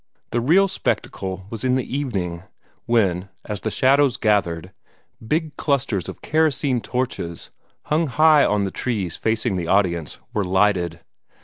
The real spectacle was in the evening when, as the shadows gathered, big clusters of kerosene torches, hung on the trees facing the audience were lighted.